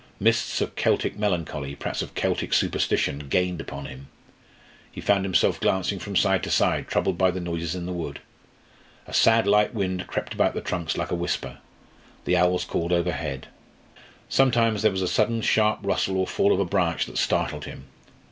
Mists of Celtic melancholy, perhaps of Celtic superstition, gained upon him. He found himself glancing from side to side, troubled by the noises in the wood. A sad light wind crept about the trunks like a whisper; the owls called overhead; sometimes there was a sudden sharp rustle or fall of a branch that startled him.